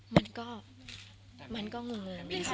มันก็มันก็เงิน